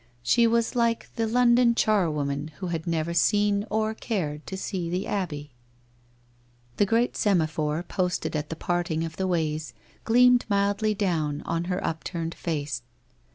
She was like the London charwoman who had never seen or cared to see the Abbey. The great semaphore posted at the parting of the ways gleamed mildly down on her upturned face.